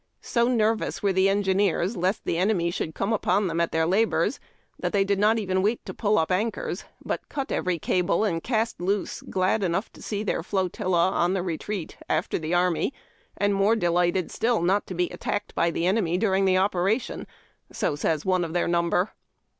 So nervous were the engineers lest the enemy should come upon them at their labors they did not even wait to pull up anchors, but cut every cable and cast loose, glad enough to see their flotilla on the retreat after the army, and more delighted still not to be attacked by the enemy during the operation, — so says one of their number.